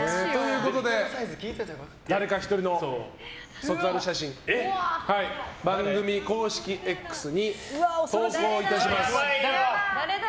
誰か１人の卒アル写真を番組公式Ｘに投稿いたします。